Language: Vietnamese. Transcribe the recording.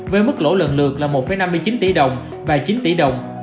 với mức lỗ lần lượt là một năm mươi chín tỷ đồng và chín tỷ đồng